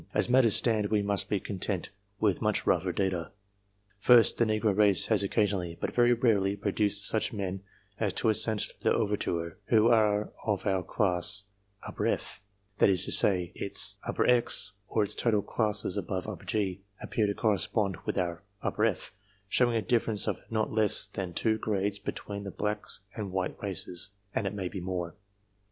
As matters stand, we must be content with much rougher data. First, the negro race has occasionally, but very rarely, produced such men as Toussaint 1'Ouverture, who are of our class F ; that is to say, its X, or its total classes above G, appear to correspond with our F, showing a difference of not less than two grades between the black and white races, and it may be more.